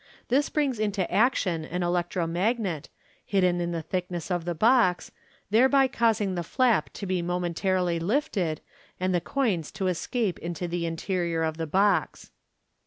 This brings into action an electro magnet, hidden in the thickness of the box, thereby causing the flap to be momentarily lifted, and the coins to escape into the interior of the box.